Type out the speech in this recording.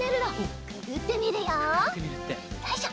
よいしょ。